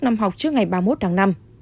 năm học trước ngày ba mươi một tháng năm